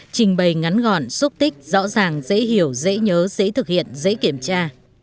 trình bày ngắn gọn xúc tích rõ ràng dễ hiểu dễ nhớ dễ thực hiện dễ kiểm tra